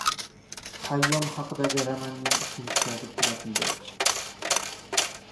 Xayyom haqidagi romanning ikkinchisi yozib tugatildi